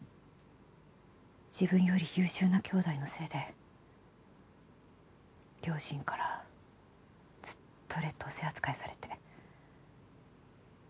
自分より優秀な兄弟のせいで両親からずっと劣等生扱いされて。